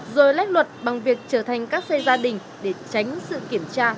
rồi lách luật bằng việc trở thành các xe gia đình để tránh sự kiểm tra